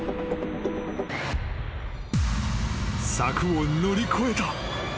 ［柵を乗り越えた。